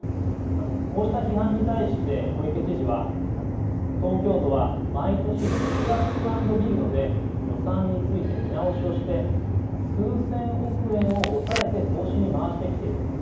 こうした批判に対して小池知事は東京都は毎年スクラップアンドビルドで予算について見直しをして数千億円を抑えて投資に回してきている。